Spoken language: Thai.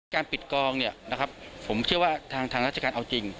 การปิดกองผมเชื่อว่าทางราชการเอาจริง